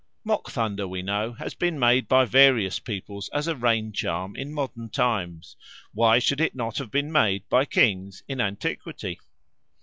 Mock thunder, we know, has been made by various peoples as a rain charm in modern times; why should it not have been made by kings in antiquity?